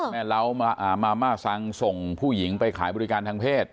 เล้ามาม่าซังส่งผู้หญิงไปขายบริการทางเพศ